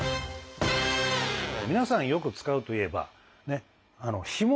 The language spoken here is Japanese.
皆さんよく使うといえば干物。